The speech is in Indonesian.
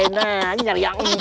nyari yang empuk